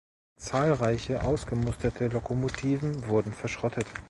Zahlreiche ausgemusterte Lokomotiven wurden verschrottet.